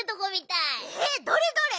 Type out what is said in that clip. えっどれどれ？